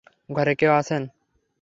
ঘরে কেউ আছেন?